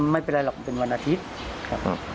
ไม่เป็นไรหรอกเป็นวันอาทิตย์ครับ